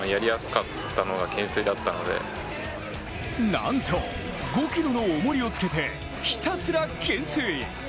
なんと、５ｋｇの重りをつけてひたすら懸垂。